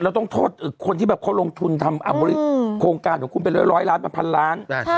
ต้องโทษคนที่แบบเขาลงทุนทำโครงการของคุณเป็นร้อยล้านเป็นพันล้าน